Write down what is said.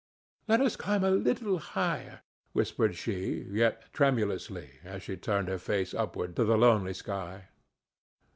"Let us climb a little higher," whispered she, yet tremulously, as she turned her face upward to the lonely sky.